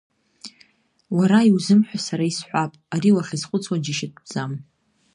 Уара иузымҳәо сара исҳәап, ари уахьазхәыцуа џьашьатәӡам.